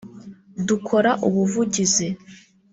dukora ubuvugizi